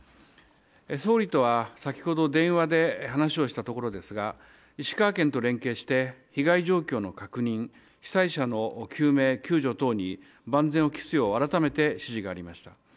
総理とは先ほど電話で話をしたところですが石川県と連携して被害状況の確認、被害者の救命救助等に万全を期すよう改めて指示がありました。